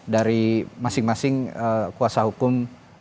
dari masing masing kuasa hukum